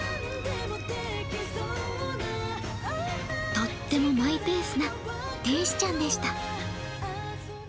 とってもマイペースな天使ちゃんでした。